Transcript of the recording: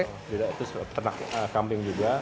terus ternak kambing juga